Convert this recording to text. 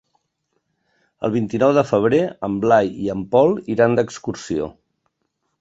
El vint-i-nou de febrer en Blai i en Pol iran d'excursió.